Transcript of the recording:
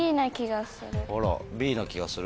あらＢな気がする？